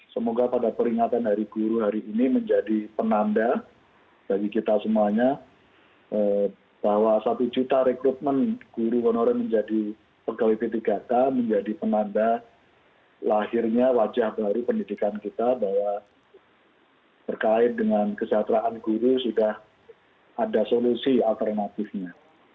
semoga pada peringatan dari guru hari ini menjadi penanda bagi kita semuanya bahwa satu juta rekrutmen guru wonore menjadi pekerja di tiga k menjadi penanda lahirnya wajah baru pendidikan kita bahwa berkait dengan kesejahteraan guru sudah ada solusi alternatifnya